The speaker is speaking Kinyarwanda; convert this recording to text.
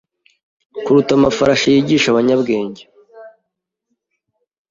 kuruta amafarashi yigisha abanyabwenge